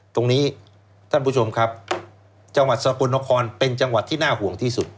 ท่านผู้ชมครับจังหวัดสกลนครเป็นจังหวัดที่น่าห่วงที่สุด